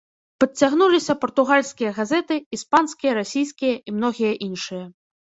Падцягнуліся партугальскія газеты, іспанскія, расійскія і многія іншыя.